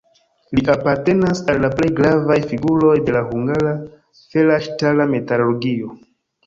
Li apartenas al la plej gravaj figuroj de la hungara fera-ŝtala metalurgio.